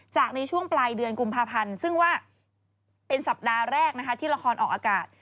ในช่วงปลายเดือนกุมภาพันธ์ซึ่งว่าเป็นสัปดาห์แรกนะคะที่ละครออกอากาศ